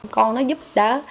con nó giúp đó